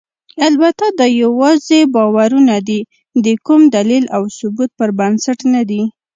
البته دا یواځې باورونه دي، د کوم دلیل او ثبوت پر بنسټ نه دي.